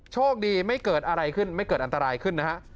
โชคดีไม่เกิดอะไรขึ้นไม่เกิดอันตรายขึ้นนะฮะ